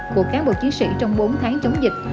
của cán bộ chiến sĩ trong bốn tháng chống dịch